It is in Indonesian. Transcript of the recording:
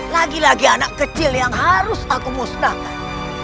lagi lagi anak kecil yang harus aku musnahkan